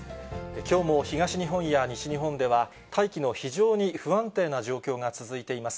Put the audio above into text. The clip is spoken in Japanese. きょうも東日本や西日本では、大気の非常に不安定な状況が続いています。